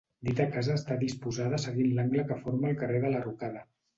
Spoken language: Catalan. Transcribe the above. Dita casa està disposada seguint l'angle que forma el carrer de la Rocada.